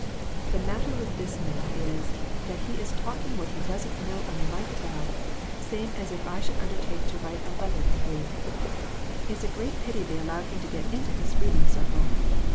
The matter with this man is, that he is talking what he doesn't know a mite about, same as if I should undertake to write a letter in Greek. It's a great pity they allowed him to get into this reading circle.